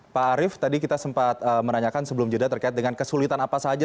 pak arief tadi kita sempat menanyakan sebelum jeda terkait dengan kesulitan apa saja